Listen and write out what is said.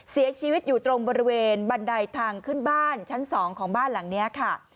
เสียชีวิตอยู่ตรงบริเวณบันไดทางขึ้นบ้านชั้น๒ของบ้านหลังนี้ค่ะ